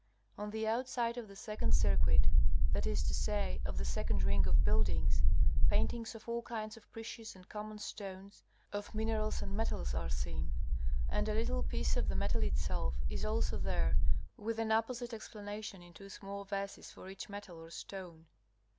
On the inside of the second circuit, that is to say of the second ring of buildings, paintings of all kinds of precious and common stones, of minerals and metals, are seen; and a little piece of the metal itself is also there with an apposite explanation in two small verses for each metal or stone.